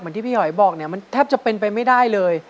ที่พี่หอยบอกเนี่ยมันแทบจะเป็นไปไม่ได้เลย